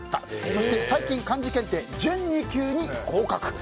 そして最近漢字検定準２級に合格。